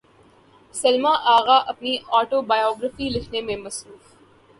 سلمی غا اپنی اٹوبایوگرافی لکھنے میں مصروف